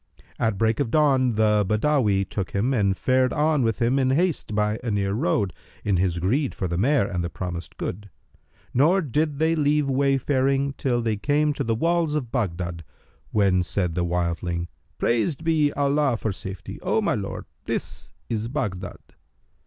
At break of dawn, the Badawi took him and fared on with him in haste by a near road, in his greed for the mare and the promised good; nor did they leave wayfaring till they came to the walls of Baghdad, when said the wildling, "Praised be Allah for safety! O my lord, this is Baghdad."